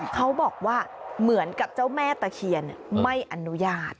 เขาบอกว่าเหมือนกับเจ้าแม่ตะเคียนไม่อนุญาต